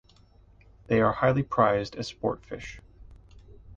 They are highly prized as sport fish.